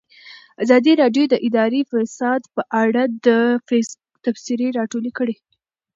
ازادي راډیو د اداري فساد په اړه د فیسبوک تبصرې راټولې کړي.